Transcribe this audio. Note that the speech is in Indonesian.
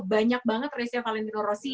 banyak banget race valentina rosie